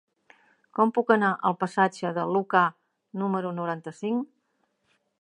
Com puc anar al passatge de Lucà número noranta-cinc?